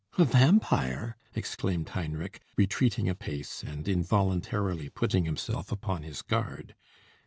"A vampire!" exclaimed Heinrich, retreating a pace, and involuntarily putting himself upon his guard.